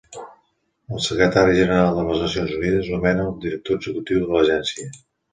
El secretari general de les Nacions Unides nomena el director executiu de l'agència.